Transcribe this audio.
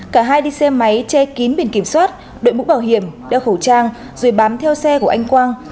cả hai đi xe máy che kín biển kiểm soát đội mũ bảo hiểm đeo khẩu trang rồi bám theo xe của anh quang